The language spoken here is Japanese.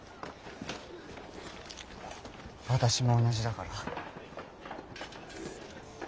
私も同じだから。